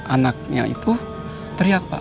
anaknya itu teriak pak